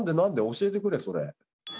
教えてくれそれ。